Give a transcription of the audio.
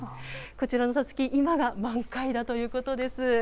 こちらのさつき、今が満開だということです。